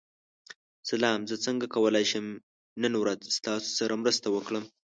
سلام، زه څنګه کولی شم نن ورځ ستاسو سره مرسته وکړم؟